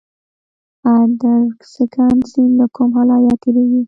ادرسکن سیند له کوم ولایت تیریږي؟